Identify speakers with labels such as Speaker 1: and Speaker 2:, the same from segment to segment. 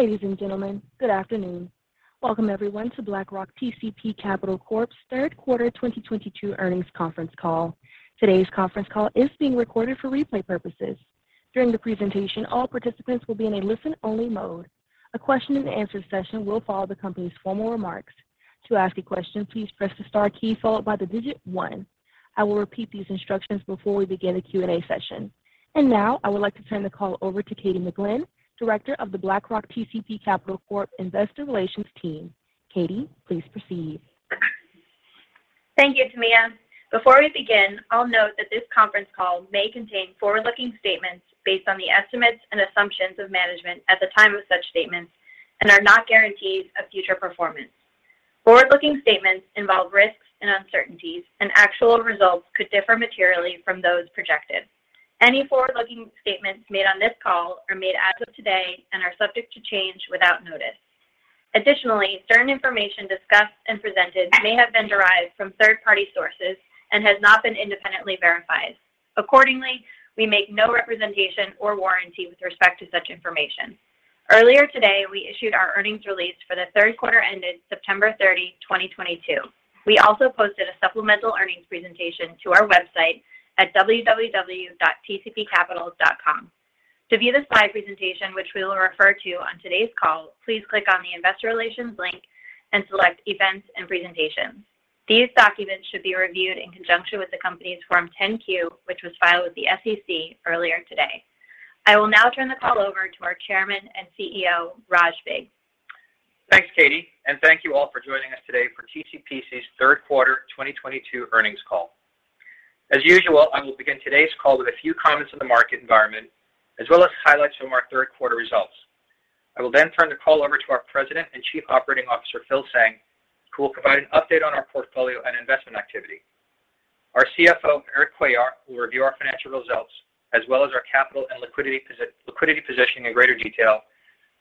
Speaker 1: Ladies and gentlemen, good afternoon. Welcome, everyone, to BlackRock TCP Capital Corp.'s Third Quarter 2022 Earnings Conference call. Today's conference call is being recorded for replay purposes. During the presentation, all participants will be in a listen-only mode. A question-and-answer session will follow the company's formal remarks. To ask a question, please press the star key followed by the digit one. I will repeat these instructions before we begin the Q&A session. Now I would like to turn the call over to Katie McGlynn, Director of Investor Relations, BlackRock TCP Capital Corp. Katie, please proceed.
Speaker 2: Thank you, Tamiya. Before we begin, I'll note that this conference call may contain forward-looking statements based on the estimates and assumptions of management at the time of such statements and are not guarantees of future performance. Forward-looking statements involve risks and uncertainties, and actual results could differ materially from those projected. Any forward-looking statements made on this call are made as of today and are subject to change without notice. Additionally, certain information discussed and presented may have been derived from third-party sources and has not been independently verified. Accordingly, we make no representation or warranty with respect to such information. Earlier today, we issued our earnings release for the third quarter ended September 30, 2022. We also posted a supplemental earnings presentation to our website at www.tcpcapital.com. To view the slide presentation, which we will refer to on today's call, please click on the Investor Relations link and select Events and Presentations. These documents should be reviewed in conjunction with the company's Form 10-Q, which was filed with the SEC earlier today. I will now turn the call over to our Chairman and CEO, Raj Vig.
Speaker 3: Thanks, Katie, and thank you all for joining us today for TCPC's third quarter 2022 earnings call. As usual, I will begin today's call with a few comments on the market environment as well as highlights from our third quarter results. I will then turn the call over to our President and Chief Operating Officer, Phil Tseng, who will provide an update on our portfolio and investment activity. Our CFO, Erik Cuellar, will review our financial results as well as our capital and liquidity positioning in greater detail.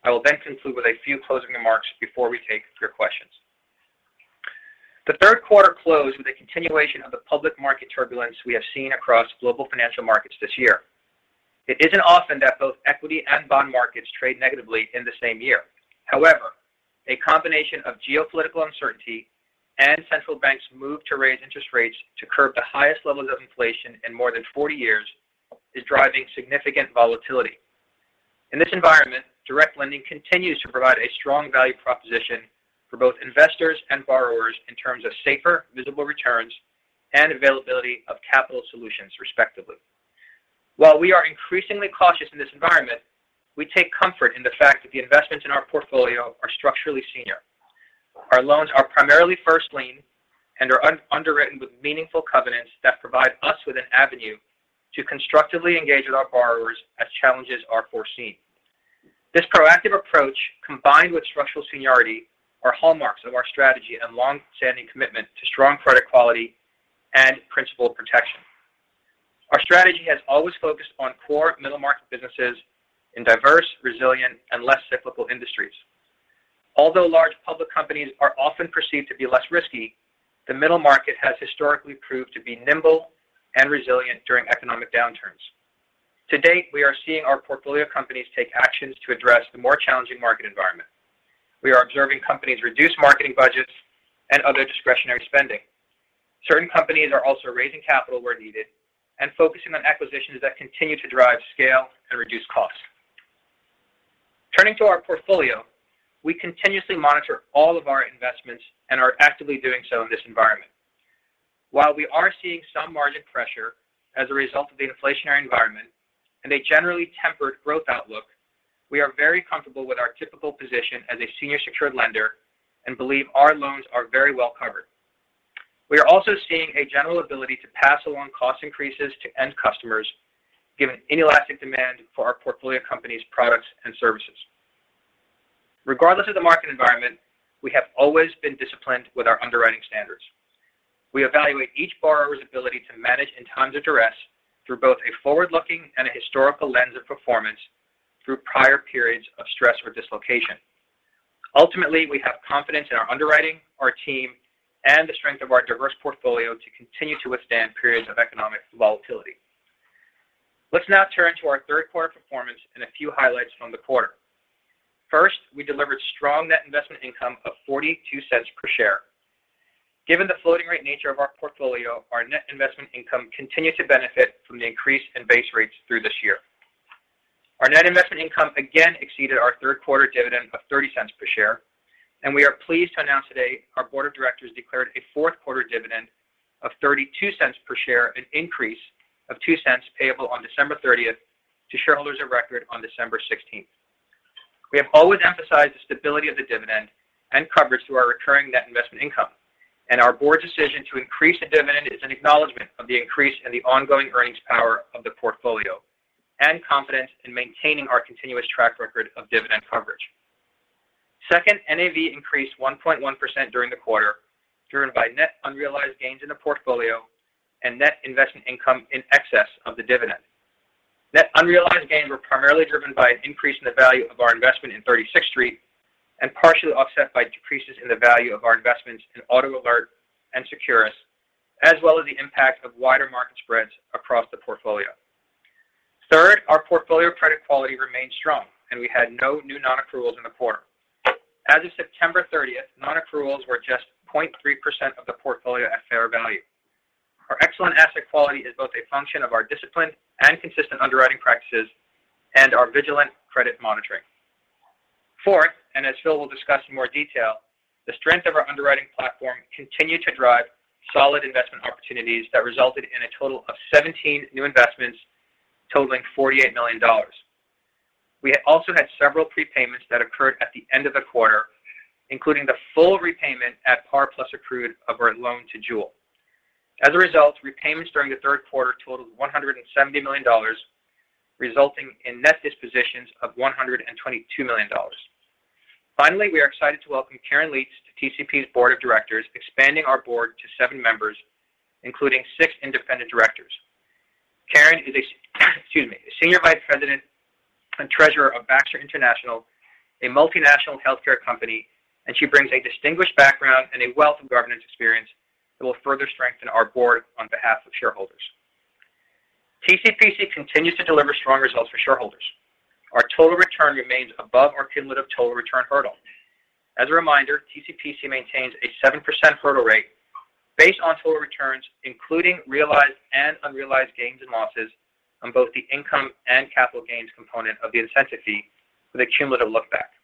Speaker 3: I will then conclude with a few closing remarks before we take your questions. The third quarter closed with a continuation of the public market turbulence we have seen across global financial markets this year. It isn't often that both equity and bond markets trade negatively in the same year. However, a combination of geopolitical uncertainty and central banks' move to raise interest rates to curb the highest levels of inflation in more than 40 years is driving significant volatility. In this environment, direct lending continues to provide a strong value proposition for both investors and borrowers in terms of safer, visible returns and availability of capital solutions, respectively. While we are increasingly cautious in this environment, we take comfort in the fact that the investments in our portfolio are structurally senior. Our loans are primarily first lien and are underwritten with meaningful covenants that provide us with an avenue to constructively engage with our borrowers as challenges are foreseen. This proactive approach, combined with structural seniority, are hallmarks of our strategy and longstanding commitment to strong credit quality and principal protection. Our strategy has always focused on core middle-market businesses in diverse, resilient, and less cyclical industries. Although large public companies are often perceived to be less risky, the middle market has historically proved to be nimble and resilient during economic downturns. To date, we are seeing our portfolio companies take actions to address the more challenging market environment. We are observing companies reduce marketing budgets and other discretionary spending. Certain companies are also raising capital where needed and focusing on acquisitions that continue to drive scale and reduce costs. Turning to our portfolio, we continuously monitor all of our investments and are actively doing so in this environment. While we are seeing some margin pressure as a result of the inflationary environment and a generally tempered growth outlook, we are very comfortable with our typical position as a senior secured lender and believe our loans are very well covered. We are also seeing a general ability to pass along cost increases to end customers given inelastic demand for our portfolio company's products and services. Regardless of the market environment, we have always been disciplined with our underwriting standards. We evaluate each borrower's ability to manage in times of duress through both a forward-looking and a historical lens of performance through prior periods of stress or dislocation. Ultimately, we have confidence in our underwriting, our team, and the strength of our diverse portfolio to continue to withstand periods of economic volatility. Let's now turn to our third quarter performance and a few highlights from the quarter. First, we delivered strong Net Investment Income of $0.42 per share. Given the floating-rate nature of our portfolio, our Net Investment Income continued to benefit from the increase in base rates through this year. Our Net Investment Income again exceeded our third quarter dividend of $0.30 per share, and we are pleased to announce today our board of directors declared a fourth quarter dividend of $0.32 per share, an increase of $0.02 payable on December 30th to shareholders of record on December 16th. We have always emphasized the stability of the dividend and coverage through our recurring Net Investment Income, and our board's decision to increase the dividend is an acknowledgment of the increase in the ongoing earnings power of the portfolio and confidence in maintaining our continuous track record of dividend coverage. Second, NAV increased 1.1% during the quarter driven by net unrealized gains in the portfolio and Net Investment Income in excess of the dividend. Net unrealized gains were primarily driven by an increase in the value of our investment in 36th Street and partially offset by decreases in the value of our investments in AutoAlert and Securus, as well as the impact of wider market spreads across the portfolio. Third, our portfolio credit quality remained strong, and we had no new non-accruals in the quarter. As of September 30th, non-accruals were just 0.3% of the portfolio at fair value. Our excellent asset quality is both a function of our disciplined and consistent underwriting practices and our vigilant credit monitoring. Fourth, and as Phil will discuss in more detail, the strength of our underwriting platform continued to drive solid investment opportunities that resulted in a total of 17 new investments totaling $48 million. We also had several prepayments that occurred at the end of the quarter, including the full repayment at par plus accrued of our loan to Jewel. As a result, repayments during the third quarter totaled $170 million, resulting in net dispositions of $122 million. Finally, we are excited to welcome Karen Leets to TCP's board of directors, expanding our board to seven members, including six independent directors. Karen is a senior vice president and treasurer of Baxter International, a multinational healthcare company, and she brings a distinguished background and a wealth of governance experience that will further strengthen our board on behalf of shareholders. TCPC continues to deliver strong results for shareholders. Our total return remains above our cumulative total return hurdle. As a reminder, TCPC maintains a 7% hurdle rate based on total returns, including realized and unrealized gains and losses on both the income and capital gains component of the incentive fee with a cumulative lookback.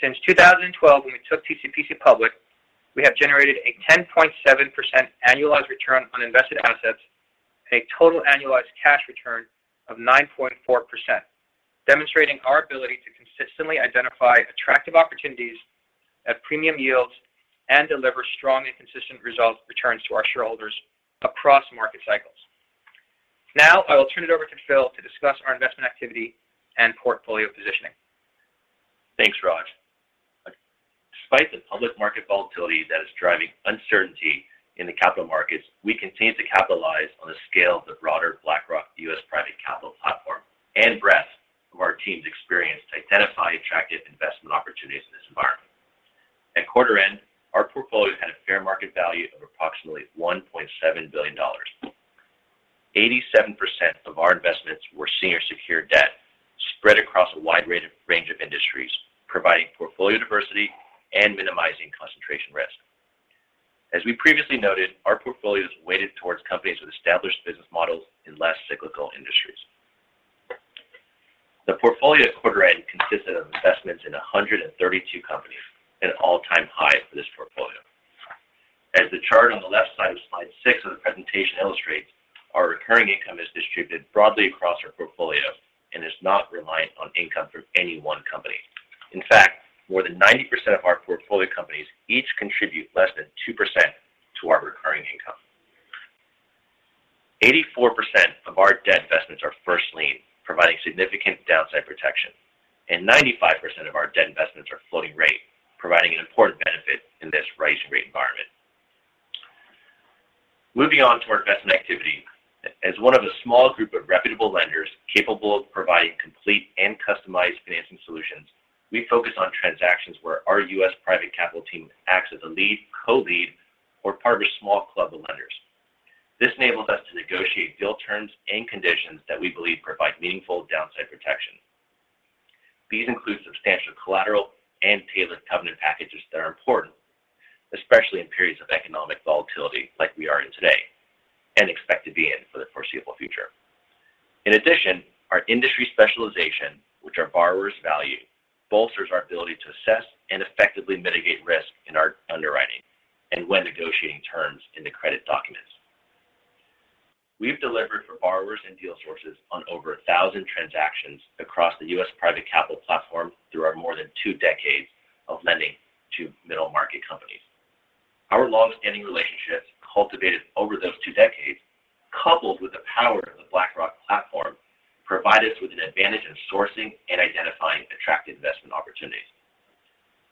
Speaker 3: Since 2012, when we took TCPC public, we have generated a 10.7% annualized return on invested assets and a total annualized cash return of 9.4%, demonstrating our ability to consistently identify attractive opportunities at premium yields and deliver strong and consistent returns to our shareholders across market cycles. Now, I will turn it over to Phil to discuss our investment activity and portfolio positioning.
Speaker 4: Thanks, Raj. Despite the public market volatility that is driving uncertainty in the capital markets, we continue to capitalize on the scale of the broader BlackRock U.S. Private Capital platform and breadth of our team's experience to identify attractive investment opportunities in this environment. At quarter end, our portfolio had a fair market value of approximately $1.7 billion. 87% of our investments were senior secured debt spread across a wide range of industries, providing portfolio diversity and minimizing concentration risk. As we previously noted, our portfolio is weighted towards companies with established business models in less cyclical industries. The portfolio at quarter end consisted of investments in 132 companies, an all-time high for this portfolio. As the chart on the left side of slide 6 of the presentation illustrates, our recurring income is distributed broadly across our portfolio and is not reliant on income from any one company. In fact, more than 90% of our portfolio companies each contribute less than 2% to our recurring income. 84% of our debt investments are first lien, providing significant downside protection, and 95% of our debt investments are floating rate, providing an important benefit in this rising rate environment. Moving on to our investment activity. As one of a small group of reputable lenders capable of providing complete and customized financing solutions, we focus on transactions where our U.S. Private Capital team acts as a lead, co-lead, or part of a small club of lenders. This enables us to negotiate deal terms and conditions that we believe provide meaningful downside protection. These include substantial collateral and tailored covenant packages that are important, especially in periods of economic volatility like we are in today and expect to be in for the foreseeable future. In addition, our industry specialization, which our borrowers value, bolsters our ability to assess and effectively mitigate risk in our underwriting and when negotiating terms in the credit documents. We've delivered for borrowers and deal sources on over 1,000 transactions across the U.S. Private Capital platform through our more than two decades of lending to middle-market companies. Our longstanding relationships cultivated over those two decades, coupled with the power of the BlackRock platform, provide us with an advantage in sourcing and identifying attractive investment opportunities.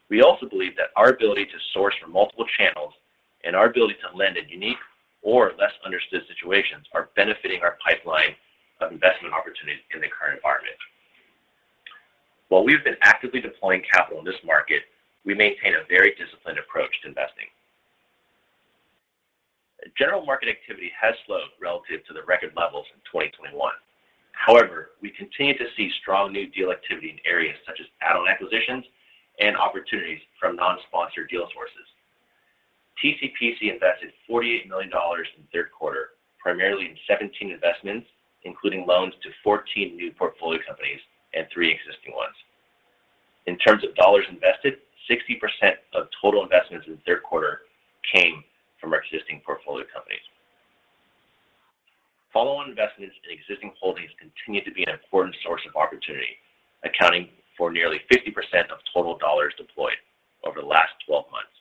Speaker 4: We also believe that our ability to source from multiple channels and our ability to lend in unique or less understood situations are benefiting our pipeline of investment opportunities in the current environment. While we've been actively deploying capital in this market, we maintain a very disciplined approach to investing. General market activity has slowed relative to the record levels in 2021. However, we continue to see strong new deal activity in areas such as add-on acquisitions and opportunities from non-sponsored deal sources. TCPC invested $48 million in third quarter, primarily in 17 investments, including loans to 14 new portfolio companies and three existing ones. In terms of dollars invested, 60% of total investments in third quarter came from our existing portfolio companies. Follow-on investments in existing holdings continue to be an important source of opportunity, accounting for nearly 50% of total dollars deployed over the last 12 months.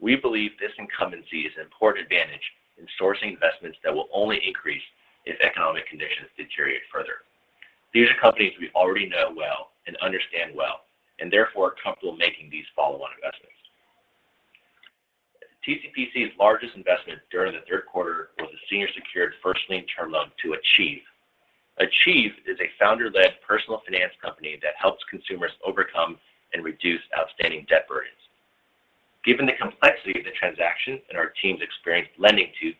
Speaker 4: We believe this incumbency is an important advantage in sourcing investments that will only increase if economic conditions deteriorate further. These are companies we already know well and understand well and, therefore, are comfortable making these follow-on investments. TCPC's largest investment during the third quarter was a senior secured first lien term loan to Achieve. Achieve is a founder-led personal finance company that helps consumers overcome and reduce outstanding debt burdens. Given the complexity of the transaction and our team's experience lending to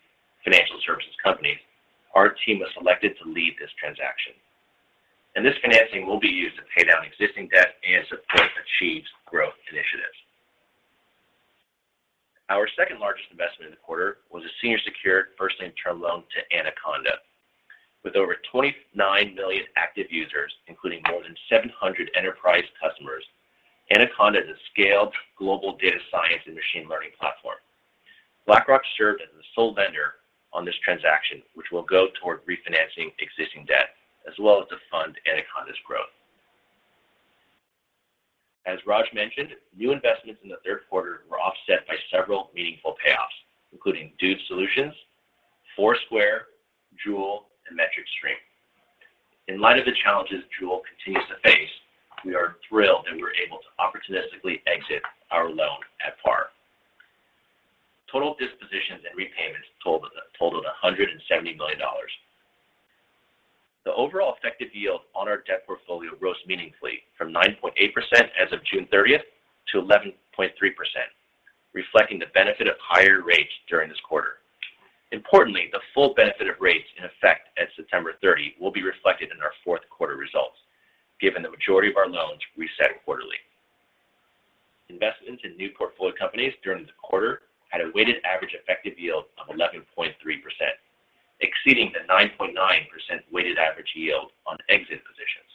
Speaker 4: financial services companies, our team was selected to lead this transaction. This financing will be used to pay down existing debt and support Achieve's growth initiatives. Our second largest investment in the quarter was a senior secured first lien term loan to Anaconda. With over 29 million active users, including more than 700 enterprise customers, Anaconda is a scaled global data science and machine learning platform. BlackRock served as the sole lender on this transaction, which will go toward refinancing existing debt as well as to fund Anaconda's growth. As Raj mentioned, new investments in the third quarter were offset by several meaningful payoffs, including Dude Solutions, Foursquare, Jewel, and MetricStream. In light of the challenges Jewel continues to face, we are thrilled that we were able to opportunistically exit our loan at par. Total dispositions and repayments totalled $170 million. The overall effective yield on our debt portfolio rose meaningfully from 9.8% as of June 30th to 11.3%, reflecting the benefit of higher rates during this quarter. Importantly, the full benefit of rates in effect at September 30th will be reflected in our fourth quarter results, given the majority of our loans reset quarterly. Investments in new portfolio companies during the quarter had a weighted average effective yield of 11.3%, exceeding the 9.9% weighted average yield on exit positions.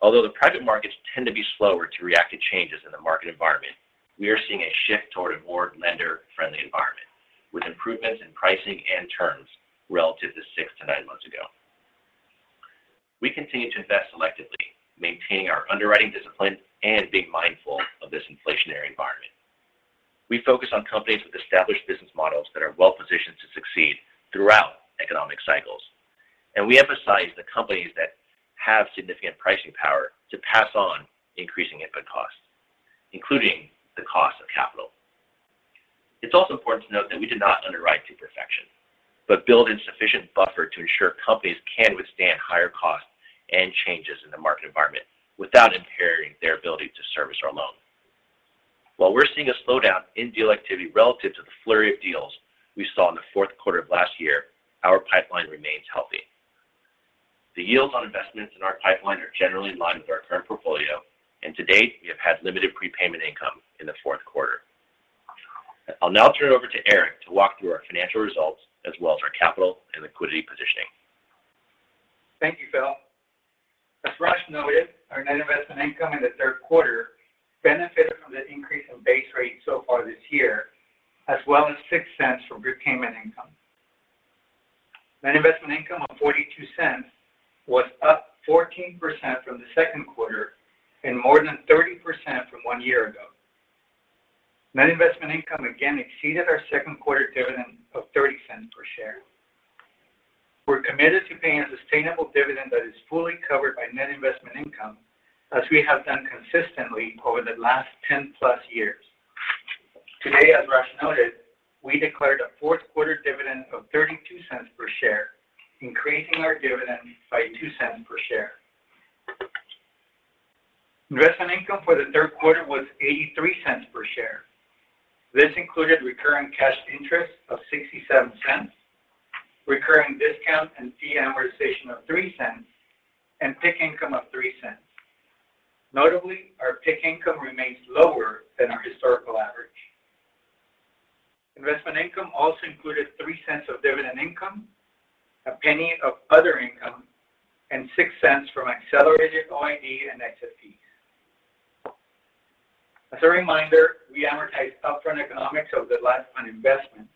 Speaker 4: Although the private markets tend to be slower to react to changes in the market environment, we are seeing a shift toward a more lender-friendly environment with improvements in pricing and terms relative to six to nine months ago. We continue to invest selectively, maintaining our underwriting discipline and being mindful of this inflationary environment. We focus on companies with established business models that are well positioned to succeed throughout economic cycles, and we emphasize the companies that have significant pricing power to pass on increasing input costs, including the cost of capital. It's also important to note that we did not underwrite to perfection, but build in sufficient buffer to ensure companies can withstand higher costs and changes in the market environment without impairing their ability to service our loan. While we're seeing a slowdown in deal activity relative to the flurry of deals we saw in the fourth quarter of last year, our pipeline remains healthy. The yields on investments in our pipeline are generally in line with our current portfolio, and to date, we have had limited prepayment income in the fourth quarter. I'll now turn it over to Erik to walk through our financial results as well as our capital and liquidity positioning.
Speaker 5: Thank you, Phil. As Raj noted, our Net Investment Income in the third quarter benefited from the increase in base rate so far this year, as well as $0.06 from repayment income. Net Investment Income of $0.42 was up 14% from the second quarter and more than 30% from one year ago. Net Investment Income again exceeded our second quarter dividend of $0.30 per share. We're committed to paying a sustainable dividend that is fully covered by Net Investment Income, as we have done consistently over the last 10+ years. Today, as Raj noted, we declared a fourth quarter dividend of $0.32 per share, increasing our dividend by $0.02 per share. Investment income for the third quarter was $0.83 per share. This included recurring cash interest of $0.67, recurring discount and fee amortization of $0.03, and PIK income of $0.03. Notably, our PIK income remains lower than our historical average. Investment income also included $0.03 of dividend income, $0.01 of other income, and $0.06 from accelerated OID and exit fees. As a reminder, we amortized upfront economics of the last fund investment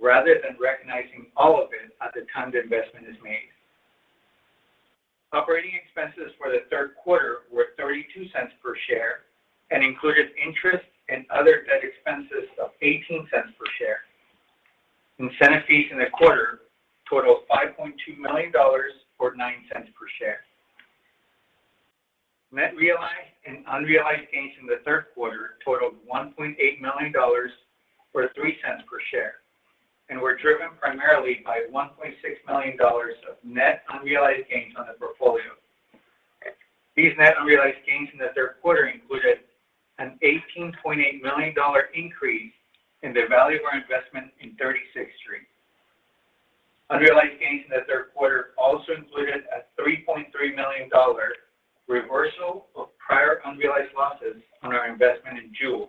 Speaker 5: rather than recognizing all of it at the time the investment is made. Operating expenses for the third quarter were $0.32 per share and included interest and other debt expenses of $0.18 per share. Incentive fees in the quarter totaled $5.2 million or $0.09 per share. Net realized and unrealized gains in the third quarter totaled $1.8 million or $0.03 per share and were driven primarily by $1.6 million of net unrealized gains on the portfolio. These net unrealized gains in the third quarter included an $18.8 million increase in the value of our investment in 36th Street. Unrealized gains in the third quarter also included a $3.3 million reversal of prior unrealized losses on our investment in Jewel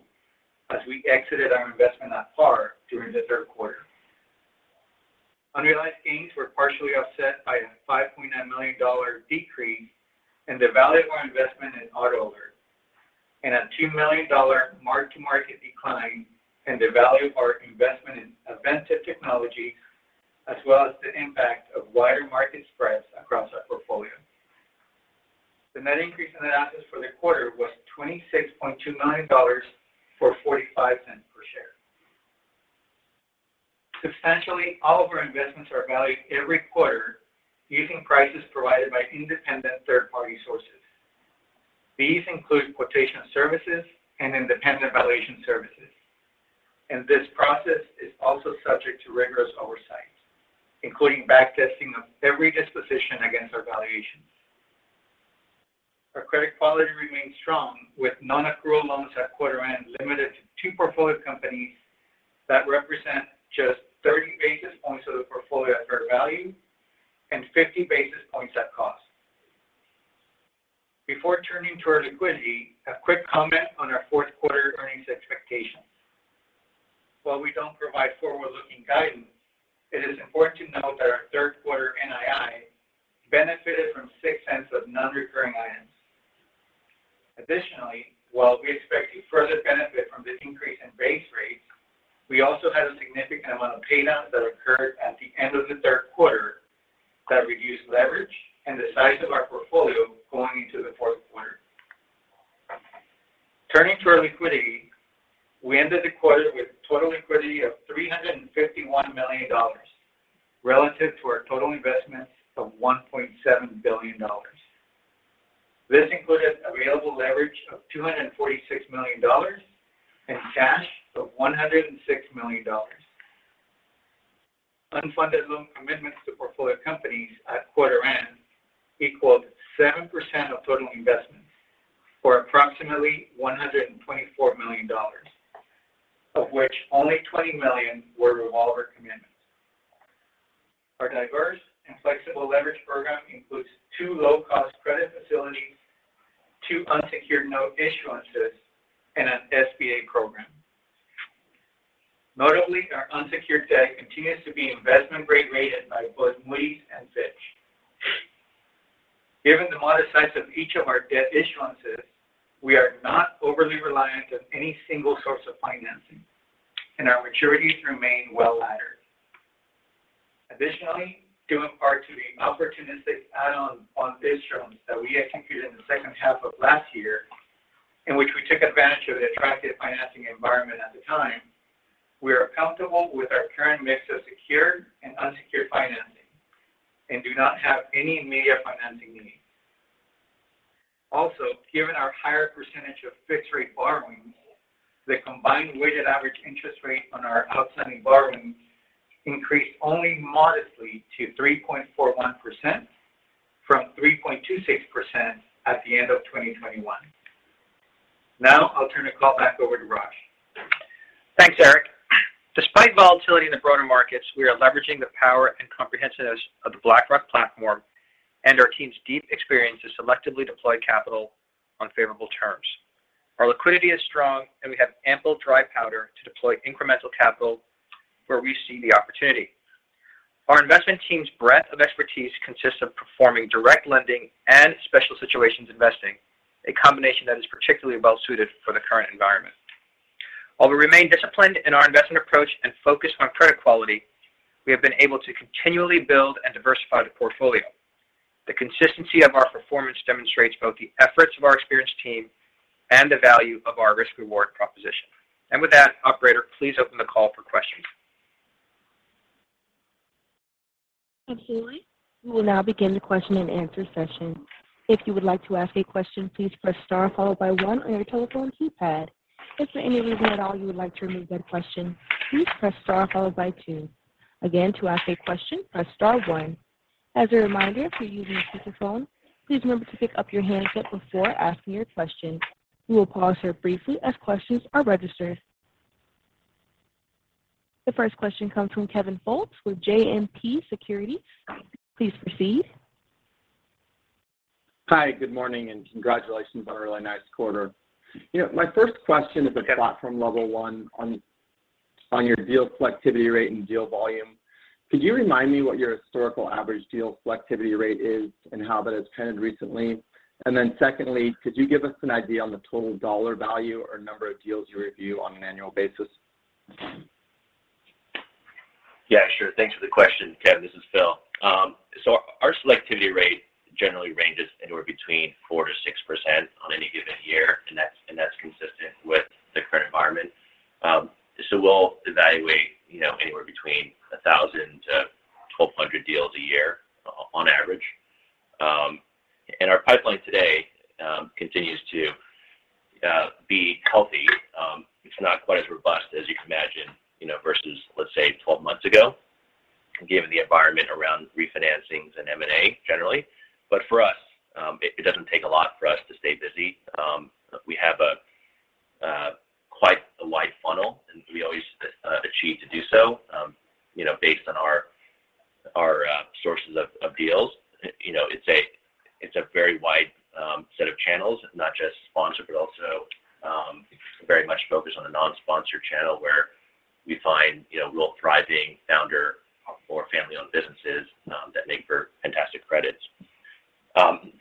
Speaker 5: as we exited our investment at par during the third quarter. Unrealized gains were partially offset by a $5.9 million decrease in the value of our investment in AutoAlert and a $2 million mark-to-market decline in the value of our investment in Avetta Technologies, as well as the impact of wider market spreads across our portfolio. The net increase in analysis for the quarter was $26.2 million or $0.45 per share. Substantially all of our investments are valued every quarter using prices provided by independent third-party sources. These include quotation services and independent valuation services. This process is also subject to rigorous oversight, including backtesting of every disposition against our valuations. Our credit quality remains strong, with non-accrual loans at quarter end limited to two portfolio companies that represent just 30 basis points of the portfolio at fair value and 50 basis points at cost. Before turning to our liquidity, a quick comment on our fourth quarter earnings expectations. While we don't provide forward-looking guidance, it is important to note that our third quarter NII benefited from $0.06 of non-recurring items. Additionally, while we expect to further benefit from the increase in base rates, we also had a significant amount of paydowns that occurred at the end of the third quarter that reduced leverage and the size of our portfolio going into the fourth quarter. Turning to our liquidity, we ended the quarter with total liquidity of $351 million relative to our total investments of $1.7 billion. This included available leverage of $246 million and cash of $106 million. Unfunded loan commitments to portfolio companies at quarter end equalled 7% of total investments or approximately $124 million, of which only $20 million were revolver commitments. Our diverse and flexible leverage program includes two low-cost credit facilities, two unsecured note issuances, and an SBA program. Notably, our unsecured debt continues to be investment-grade rated by both Moody's and Fitch. Given the modest size of each of our debt issuances, we are not overly reliant on any single source of financing, and our maturities remain well laddered. Additionally, due in part to the opportunistic add-on bond instruments that we executed in the second half of last year, in which we took advantage of an attractive financing environment at the time, we are comfortable with our current mix of secured and unsecured financing and do not have any immediate financing needs. Also, given our higher percentage of fixed-rate borrowings, the combined weighted average interest rate on our outstanding borrowings increased only modestly to 3.41% from 3.26% at the end of 2021. Now, I'll turn the call back over to Raj.
Speaker 3: Thanks, Erik. Despite volatility in the broader markets, we are leveraging the power and comprehensiveness of the BlackRock platform and our team's deep experience to selectively deploy capital on favorable terms. Our liquidity is strong, and we have ample dry powder to deploy incremental capital where we see the opportunity. Our investment team's breadth of expertise consists of performing direct lending and special situations investing, a combination that is particularly well-suited for the current environment. While we remain disciplined in our investment approach and focus on credit quality, we have been able to continually build and diversify the portfolio. The consistency of our performance demonstrates both the efforts of our experienced team and the value of our risk-reward proposition. With that, operator, please open the call for questions.
Speaker 1: Absolutely. We will now begin the question-and-answer session. If you would like to ask a question, please press star followed by one on your telephone keypad. If for any reason at all you would like to remove that question, please press star followed by two. Again, to ask a question, press star one. As a reminder, if you're using a speakerphone, please remember to pick up your handset before asking your question. We will pause here briefly as questions are registered. The first question comes from Kevin Fultz with JMP Securities. Please proceed.
Speaker 6: Hi. Good morning and congratulations on a really nice quarter. My first question is a platform level one on your deal selectivity rate and deal volume. Could you remind me what your historical average deal selectivity rate is and how that has trended recently? Secondly, could you give us an idea on the total dollar value or number of deals you review on an annual basis?
Speaker 4: Yeah, sure. Thanks for the question, Kevin. This is Phil. Our selectivity rate generally ranges anywhere between 4%-6% on any given year, and that's consistent with the current environment. We'll evaluate anywhere between 1,000-1,200 deals a year on average. Our pipeline today continues to be healthy. It's not quite as robust as you can imagine versus, let's say, 12 months ago, given the environment around refinancings and M&A generally. For us, it doesn't take a lot for us to stay busy. We have quite a wide funnel, and we always strive to do so based on our sources of deals. It's a very wide set of channels, not just sponsor, but also very much focused on a non-sponsored channel where we find real thriving founder or family-owned businesses that make fantastic credits.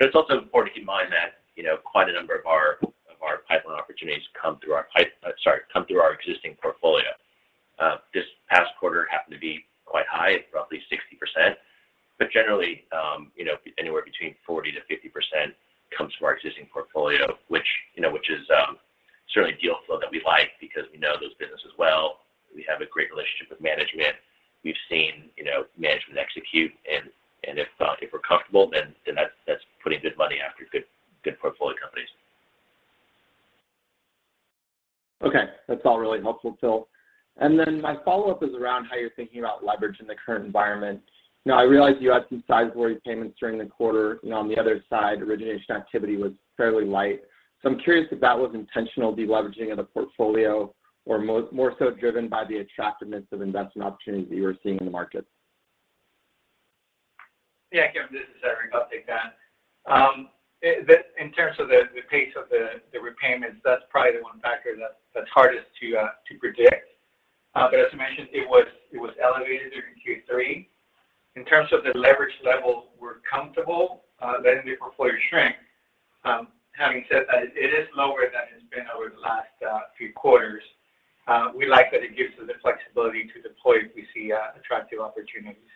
Speaker 4: It's also important to keep in mind that quite a number of our pipeline opportunities come through our existing portfolio. This past quarter happened to be quite high at roughly 60%. Generally, anywhere between 40%-50% comes from our existing portfolio, which is certainly deal flow that we like because we know those businesses well. We have a great relationship with management. We've seen management execute. If we're comfortable, then that's putting good money after good portfolio companies.
Speaker 6: Okay. That's all really helpful, Phil. My follow-up is around how you're thinking about leverage in the current environment. Now, I realize you had some sizable payments during the quarter. On the other side, origination activity was fairly light. I'm curious if that was intentional deleveraging of the portfolio or more so driven by the attractiveness of investment opportunities that you were seeing in the markets.
Speaker 5: Yeah, Kevin, this is Erik. I'll take that. In terms of the pace of the repayments, that's probably the one factor that's hardest to predict. As I mentioned, it was elevated during Q3. In terms of the leverage level, we're comfortable letting the portfolio shrink. Having said that, it is lower than it's been over the last few quarters. We like that it gives us the flexibility to deploy if we see attractive opportunities.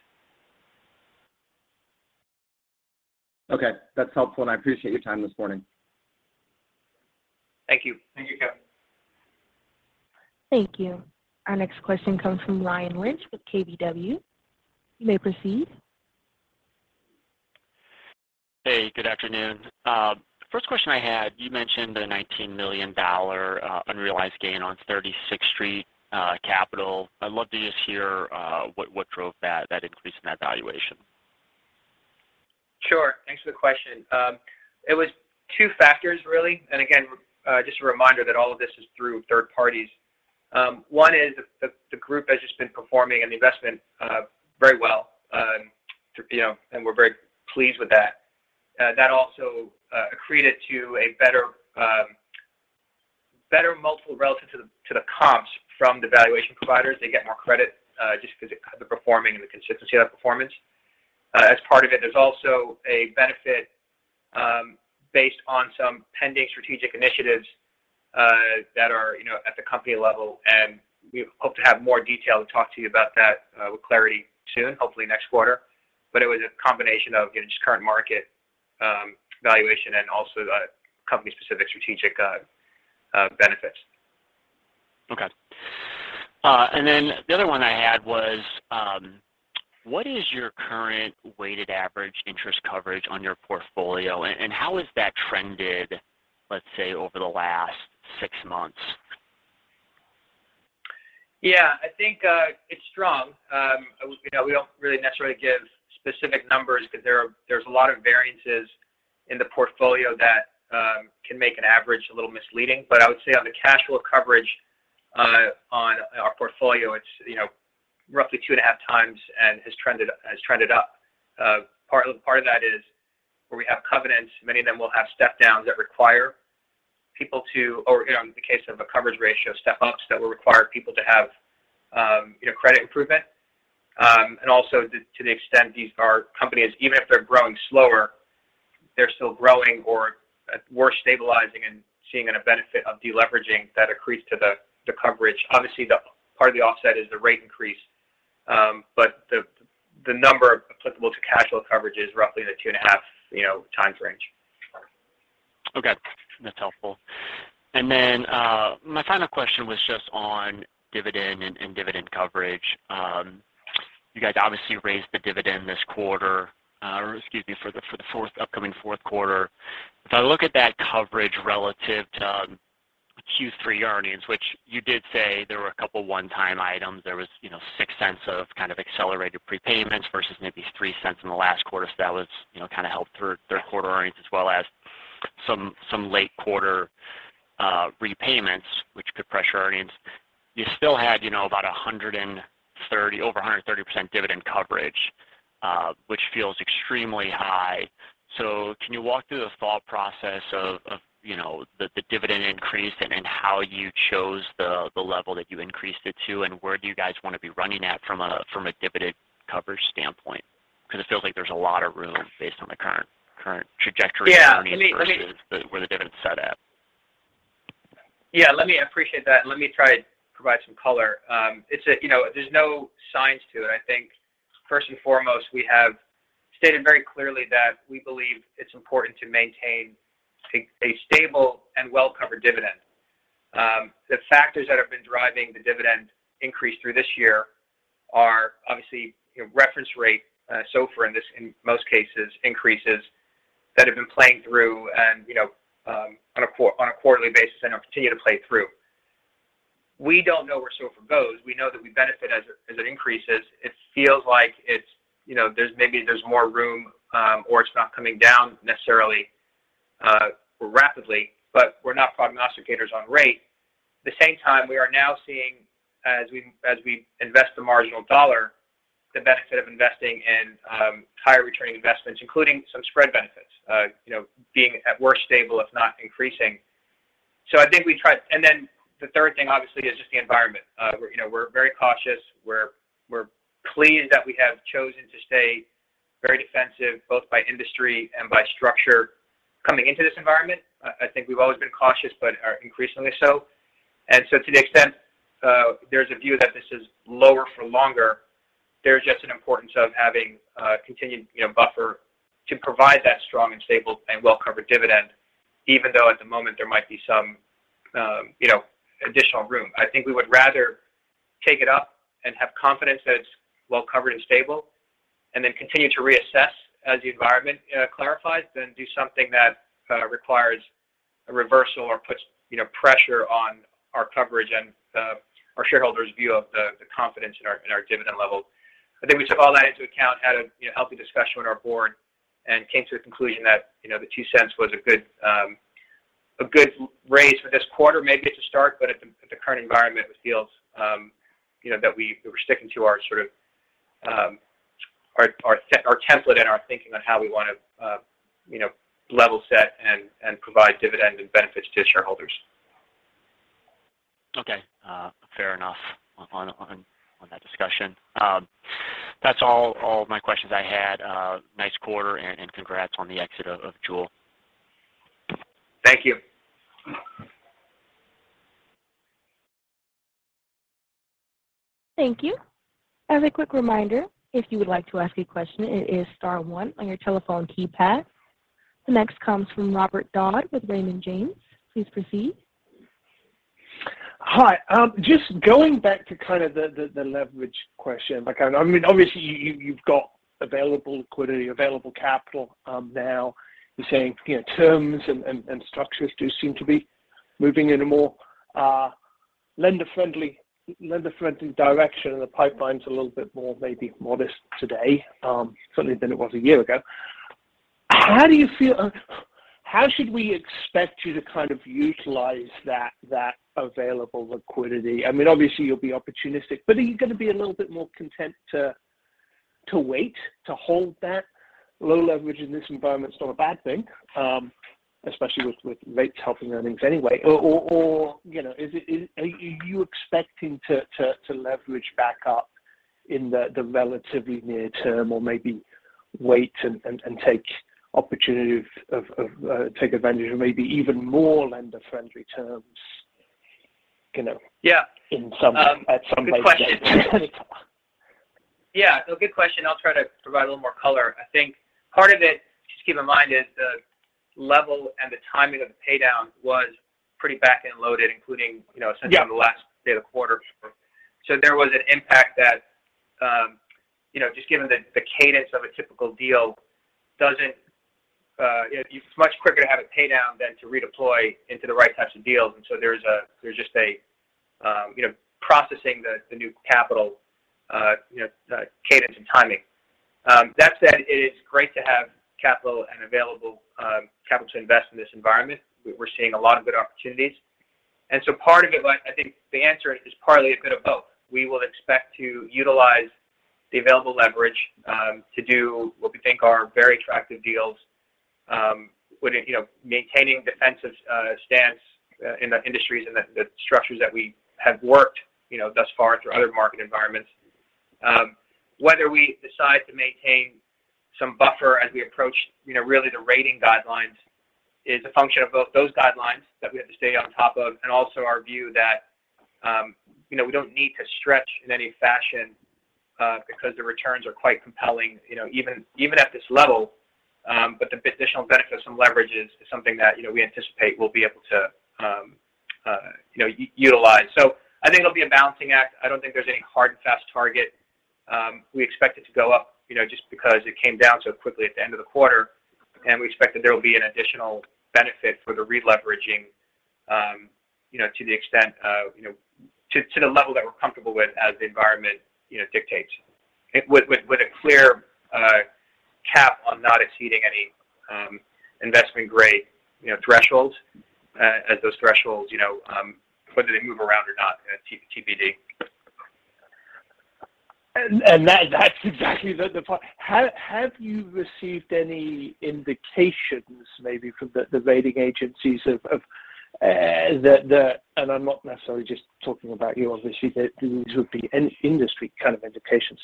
Speaker 6: Okay. That's helpful, and I appreciate your time this morning.
Speaker 4: Thank you.
Speaker 5: Thank you, Kevin.
Speaker 1: Thank you. Our next question comes from Ryan Lynch with KBW. You may proceed.
Speaker 7: Hey. Good afternoon. First question I had, you mentioned a $19 million unrealized gain on 36th Street Capital. I'd love to just hear what drove that increase in that valuation.
Speaker 4: Sure. Thanks for the question. It was two factors, really. Again, just a reminder that all of this is through third parties. One is the group has just been performing in the investment very well, and we're very pleased with that. That also accreted to a better multiple relative to the comps from the valuation providers. They get more credit just because of the performing and the consistency of that performance. As part of it, there's also a benefit based on some pending strategic initiatives that are at the company level. We hope to have more detail to talk to you about that with clarity soon, hopefully next quarter. It was a combination of just current market valuation and also company-specific strategic benefits.
Speaker 7: Okay. The other one I had was, what is your current weighted average interest coverage on your portfolio, and how has that trended, let's say, over the last six months?
Speaker 4: Yeah. I think it's strong. We don't really necessarily give specific numbers because there's a lot of variances in the portfolio that can make an average a little misleading. I would say on the cash flow coverage on our portfolio, it's roughly 2.5x and has trended up. Part of that is where we have covenants. Many of them will have step-downs that require people to or in the case of a coverage ratio, step-ups that will require people to have credit improvement. Also to the extent our companies, even if they're growing slower, they're still growing or we're stabilizing and seeing a benefit of deleveraging that accretes to the coverage. Obviously, part of the offset is the rate increase, but the number applicable to cash flow coverage is roughly in the 2.5xrange.
Speaker 7: Okay. That's helpful. My final question was just on dividend and dividend coverage. You guys obviously raised the dividend this quarter or excuse me, for the upcoming fourth quarter. If I look at that coverage relative to Q3 earnings, which you did say there were a couple of one-time items, there was $0.06 of kind of accelerated prepayments versus maybe $0.03 in the last quarter. That was kind of helped through third-quarter earnings as well as some late-quarter repayments, which could pressure earnings. You still had about over 130% dividend coverage, which feels extremely high. Can you walk through the thought process of the dividend increase and how you chose the level that you increased it to, and where do you guys want to be running at from a dividend coverage standpoint? Because it feels like there's a lot of room based on the current trajectory of earnings versus where the dividend's set at.
Speaker 4: Yeah. I appreciate that, and let me try to provide some color. There's no secret to it. I think, first and foremost, we have stated very clearly that we believe it's important to maintain a stable and well-covered dividend. The factors that have been driving the dividend increase through this year are obviously reference rate, SOFR in most cases, increases that have been flowing through on a quarterly basis and continue to flow through. We don't know where SOFR goes. We know that we benefit as it increases. It feels like maybe there's more room or it's not coming down necessarily or rapidly, but we're not prognosticators on rate. At the same time, we are now seeing, as we invest the marginal dollar, the benefit of investing in higher-returning investments, including some spread benefits, being at worst stable, if not increasing. I think we tried and then the third thing, obviously, is just the environment. We're very cautious. We're pleased that we have chosen to stay very defensive both by industry and by structure coming into this environment. I think we've always been cautious, but increasingly so. To the extent there's a view that this is lower for longer, there's just an importance of having a continued buffer to provide that strong and stable and well-covered dividend, even though at the moment, there might be some additional room. I think we would rather take it up and have confidence that it's well-covered and stable and then continue to reassess as the environment clarifies than do something that requires a reversal or puts pressure on our coverage and our shareholders' view of the confidence in our dividend level. I think we took all that into account, had a healthy discussion with our board, and came to the conclusion that the $0.02 was a good raise for this quarter, maybe at the start, but at the current environment, it feels that we were sticking to our sort of template and our thinking on how we want to level set and provide dividend and benefits to shareholders.
Speaker 7: Okay. Fair enough on that discussion. That's all my questions I had. Nice quarter, and congrats on the exit of Jewel.
Speaker 4: Thank you.
Speaker 1: Thank you. As a quick reminder, if you would like to ask a question, it is star one on your telephone keypad. The next comes from Robert Dodd with Raymond James. Please proceed.
Speaker 8: Hi. Just going back to kind of the leverage question, I mean, obviously, you've got available liquidity, available capital now. You're saying terms and structures do seem to be moving in a more lender-friendly direction, and the pipeline's a little bit more maybe modest today, certainly than it was a year ago. How do you feel? How should we expect you to kind of utilize that available liquidity? I mean, obviously, you'll be opportunistic, but are you going to be a little bit more content to wait, to hold that? Low leverage in this environment's not a bad thing, especially with rates helping earnings anyway. Or are you expecting to leverage back up in the relatively near term or maybe wait and take advantage of maybe even more lender-friendly terms at some basis?
Speaker 4: Good question. I'll try to provide a little more color. I think part of it, just keep in mind, is the level and the timing of the paydown was pretty back-loaded, including essentially on the last day of the quarter. There was an impact that just given the cadence of a typical deal, it's much quicker to have it pay down than to redeploy into the right types of deals. There's just a processing the new capital cadence and timing. That said, it is great to have capital and available capital to invest in this environment. We're seeing a lot of good opportunities. Part of it, I think the answer is partly a bit of both. We will expect to utilize the available leverage to do what we think are very attractive deals with maintaining a defensive stance in the industries and the structures that we have worked thus far through other market environments. Whether we decide to maintain some buffer as we approach really the rating guidelines is a function of both those guidelines that we have to stay on top of and also our view that we don't need to stretch in any fashion because the returns are quite compelling even at this level. The additional benefit of some leverage is something that we anticipate we'll be able to utilize. I think it'll be a balancing act. I don't think there's any hard and fast target. We expect it to go up just because it came down so quickly at the end of the quarter, and we expect that there'll be an additional benefit for the releveraging to the extent to the level that we're comfortable with as the environment dictates, with a clear cap on not exceeding any investment-grade thresholds, as those thresholds, whether they move around or not, TBD.
Speaker 8: That's exactly the point. Have you received any indications maybe from the rating agencies and I'm not necessarily just talking about you, obviously? These would be industry kind of indications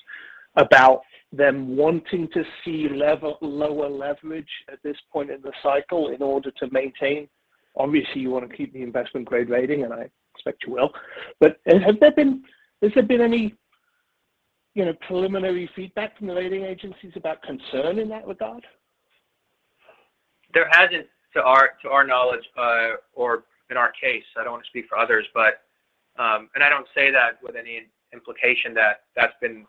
Speaker 8: about them wanting to see lower leverage at this point in the cycle in order to maintain. Obviously, you want to keep the investment-grade rating, and I expect you will. Has there been any preliminary feedback from the rating agencies about concern in that regard?
Speaker 4: There hasn't, to our knowledge or in our case. I don't want to speak for others, but I don't say that with any implication that that's been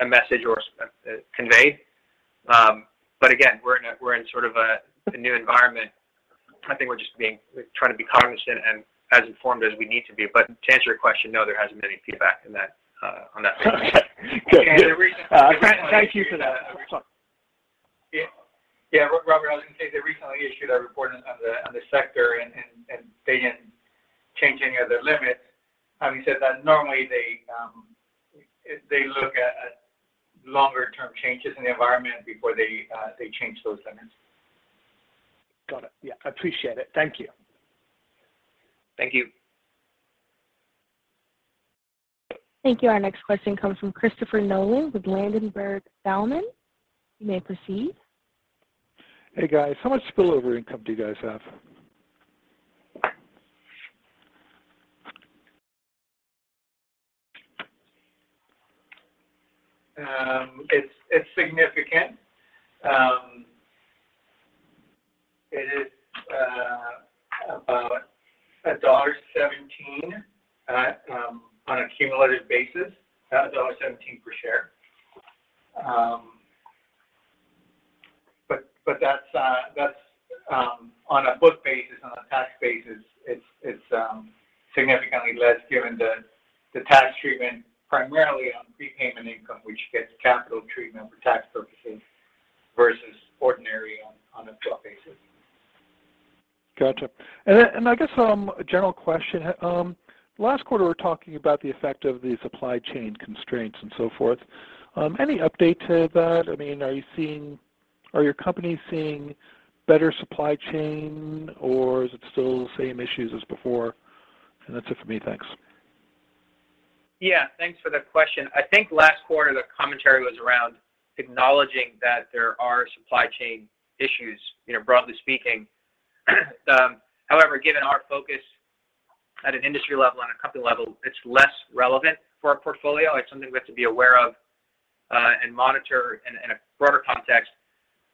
Speaker 4: a message conveyed. Again, we're in sort of a new environment. I think we're just trying to be cognizant and as informed as we need to be. To answer your question, no, there hasn't been any feedback on that.
Speaker 8: Good. Thank you for that. Sorry.
Speaker 5: Yeah. Robert, I was going to say they recently issued a report on the sector, and they didn't change any of their limits. Having said that, normally, they look at longer-term changes in the environment before they change those limits.
Speaker 8: Got it. Yeah. I appreciate it. Thank you.
Speaker 4: Thank you.
Speaker 1: Thank you. Our next question comes from Christopher Nolan with Ladenburg Thalmann. You may proceed.
Speaker 9: Hey, guys. How much spillover income do you guys have?
Speaker 5: It's significant. It is about $1.17 on a cumulative basis, $1.17 per share. On a book basis, on a tax basis, it's significantly less given the tax treatment primarily on prepayment income, which gets capital treatment for tax purposes versus ordinary on a book basis.
Speaker 9: Gotcha. I guess a general question. Last quarter, we were talking about the effect of the supply chain constraints and so forth. Any update to that? I mean, are your companies seeing better supply chain, or is it still the same issues as before? That's it for me. Thanks.
Speaker 4: Yeah. Thanks for the question. I think last quarter, the commentary was around acknowledging that there are supply chain issues, broadly speaking. However, given our focus at an industry level and a company level, it's less relevant for our portfolio. It's something we have to be aware of and monitor in a broader context.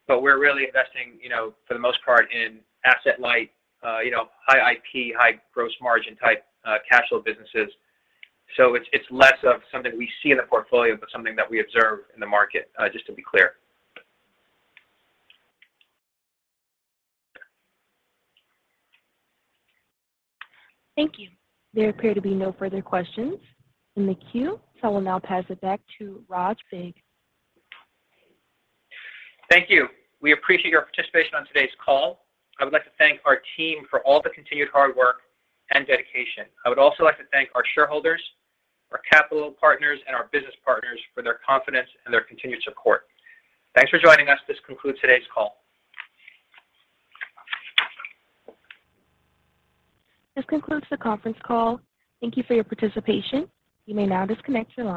Speaker 4: We're really investing, for the most part, in asset-light, high IP, high gross margin type cash flow businesses. It's less of something we see in the portfolio but something that we observe in the market, just to be clear.
Speaker 1: Thank you. There appear to be no further questions in the queue, so I will now pass it back to Raj Vig.
Speaker 3: Thank you. We appreciate your participation on today's call. I would like to thank our team for all the continued hard work and dedication. I would also like to thank our shareholders, our capital partners, and our business partners for their confidence and their continued support. Thanks for joining us. This concludes today's call.
Speaker 1: This concludes the conference call. Thank you for your participation. You may now disconnect from the.